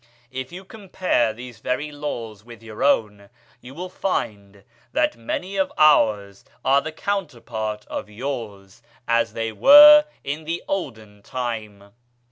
If you compare these very laws with your own, you will find that many of ours are the counterpart of yours, as they were in the olden time.